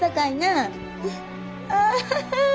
ああ！